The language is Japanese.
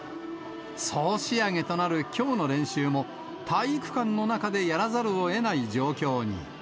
総仕上げとなるきょうの練習も、体育館の中でやらざるをえない状況に。